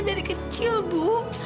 dari kecil bu